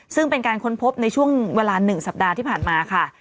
ซึ่งเป็นการค้นพบในช่วงเวลา๑สัปดาห์ที่ผ่านมาค่ะ